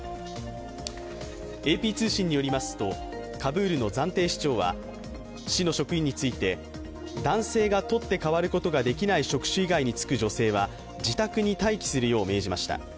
ＡＰ通信によりますと、カブールの暫定市長は市の職員について、男性が取って代わることができない職種以外に就く女性は自宅に待機するよう命じました。